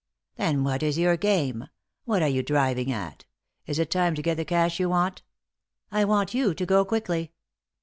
" Then what is your game ? What are you driving at ? Is it time to get the cash you want ?"" I want you to go quickly."